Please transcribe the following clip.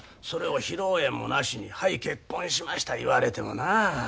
それを披露宴もなしにはい結婚しました言われてもなあ。